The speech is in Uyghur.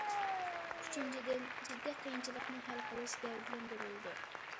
ئۈچىنچىدىن، جىددىي قىيىنچىلىقنى ھەل قىلىش گەۋدىلەندۈرۈلىدۇ.